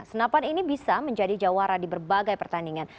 senapan ini bisa menjadi jawara di berbagai pertandingan